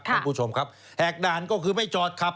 คุณผู้ชมครับแหกด่านก็คือไม่จอดขับ